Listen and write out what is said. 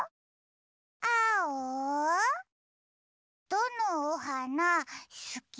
どのおはなすき？